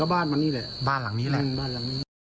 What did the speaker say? ก็บ้านหลังนี้แหละบ้านหลังนี้แหละ